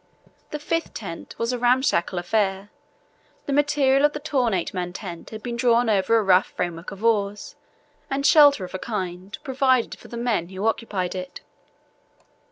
The fifth tent was a ramshackle affair. The material of the torn eight man tent had been drawn over a rough framework of oars, and shelter of a kind provided for the men who occupied it.